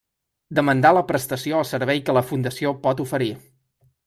Demandar la prestació o servei que la Fundació pot oferir.